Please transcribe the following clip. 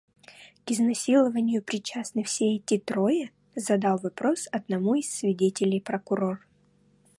«К изнасилованию причастны все эти трое?» — задал вопрос одному из свидетелей прокурор.